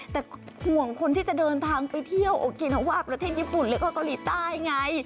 แต่ห่วงคนที่จะเดินทางไปเที่ยวโอกินาว่าประเทศญี่ปุ่นแล้วก็เกาหลีใต้ไง